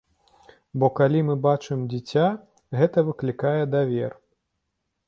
Бо калі мы бачым дзіця, гэта выклікае давер.